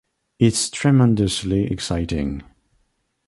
It’s tremendously exciting.